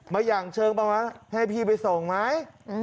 มาหย่างเชิงมาหวะให้พี่ไปส่งไหม